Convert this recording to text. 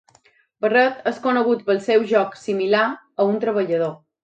Barrett és conegut pel seu joc similar a un treballador.